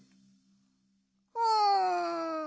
うん。